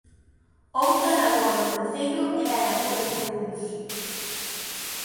Outra lagoa do concello é a lagoa de Cuns.